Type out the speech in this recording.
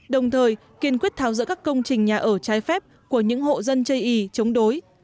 đồng thời kiên quyết tháo rỡ các công trình nhà ở trái phép của những hộ dân chây ý chống đối